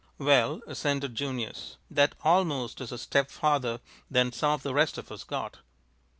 "Well," assented Junius, "that 'almost' is a step farther than some of the rest of us got."